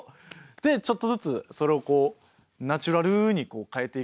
でちょっとずつそれをこうナチュラルに変えていくと。